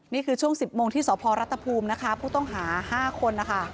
นี่คือช่วง๑๐โมงที่สพรัฐภูมินะคะผู้ต้องหา๕คนนะคะ